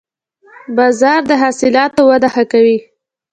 • باران د حاصلاتو وده ښه کوي.